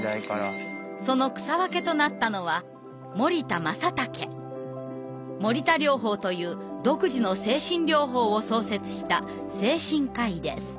その草分けとなったのは森田療法という独自の精神療法を創設した精神科医です。